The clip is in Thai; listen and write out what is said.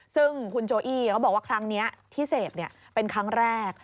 ซึ่งคุณโจอี้เขาบอกว่าครั้งนี้ที่เสพเป็นครั้งแรก